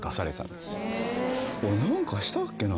何かしたっけな？